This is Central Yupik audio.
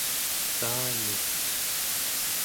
saanik